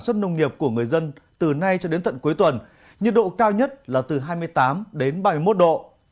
sản xuất nông nghiệp của người dân từ nay cho đến tận cuối tuần nhiệt độ cao nhất là từ hai mươi tám đến ba mươi một độ